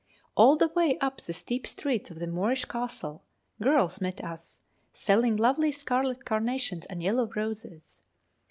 All the way up the steep streets to the Moorish castle, girls met us, selling lovely scarlet carnations and yellow roses.